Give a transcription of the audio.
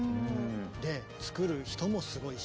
で作る人もすごいし。